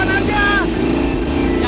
suan ma prince mvata